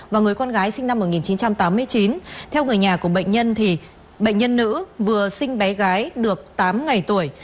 và người con gái sinh năm một nghìn chín trăm tám mươi chín theo người nhà của bệnh nhân thì bệnh nhân nữ vừa sinh bé gái được tám ngày tuổi